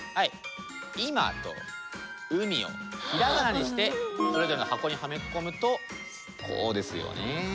「今」と「海」を平仮名にしてそれぞれの箱にはめ込むとこうですよね。